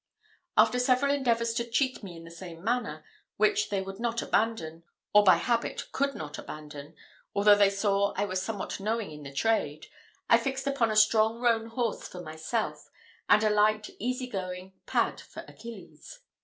After several endeavours to cheat me in the same manner, which they would not abandon, or by habit could not abandon, although they saw I was somewhat knowing in the trade, I fixed upon a strong roan horse for myself, and a light easy going pad for Achilles.